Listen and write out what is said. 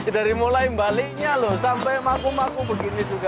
dari mulai baliknya loh sampai maku maku begini juga